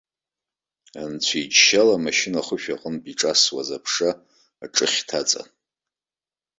Анцәа иџьшьала, имашьына ахышә аҟынтә иҿасуаз аԥша аҿыхьҭа аҵан.